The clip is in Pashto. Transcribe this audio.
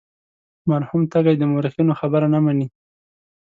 مرحوم تږی د مورخینو خبره نه مني.